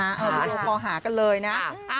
ไปดูก่อหากันเลยนะ